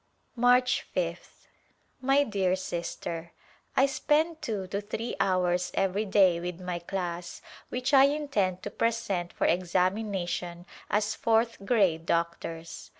March ^th. My dear Sister : I spend two to three hours every day with my class which I intend to present for examination as fourth grade doctors.